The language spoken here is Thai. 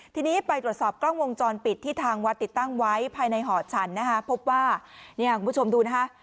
ทีนี้ไปตรวจสอบกล้องวงจรปิดที่ทางวัดติดตั้งไว้ภายในหอชันนะฮะ